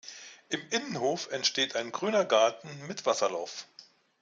Im Innenhof entstand ein grüner Garten mit Wasserlauf.